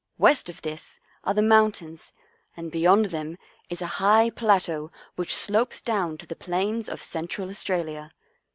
West of this are the mountains and beyond them is a high plateau which slopes down to the plains of Cen tral Australia.